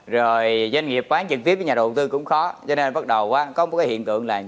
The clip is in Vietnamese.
rồi doanh nghiệp bán trực tiếp với nhà đầu tư cũng khó cho nên bắt đầu có một cái hiện tượng là